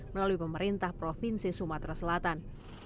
melalui pemerintah provinsi sumatera selatan